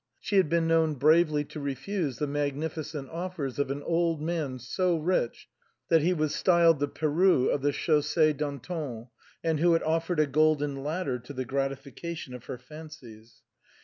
She had been known bravely to refuse the magnificent offers of an old man so rich that he was styled the Peru of the Chaussée d'Antin, and who had offered a golden ladder to the gratification of her fancies.